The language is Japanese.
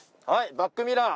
バックミラー？